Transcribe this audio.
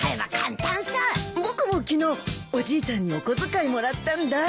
僕も昨日おじいちゃんにお小遣いもらったんだ。